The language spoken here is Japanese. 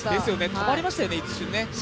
止まりましたね、一瞬。